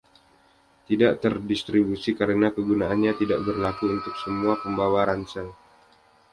Tidak terdistribusi karena kegunaannya tidak berlaku untuk semua pembawa ransel.